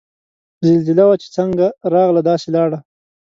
زلزله وه چه څنګ راغله داسے لاړه